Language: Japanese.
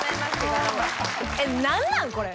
えっ何なんこれ。